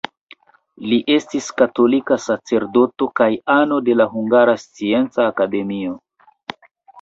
Li estis katolika sacerdoto kaj ano de la Hungara Scienca Akademio.